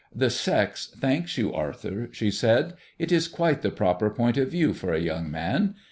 "The sex thanks you, Arthur," she said. "It is quite the proper point of view for a young man.